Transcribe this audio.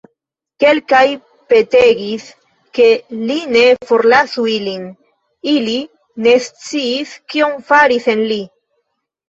Kelkaj petegis, ke li ne forlasu ilin; ili ne sciis, kion fari sen li.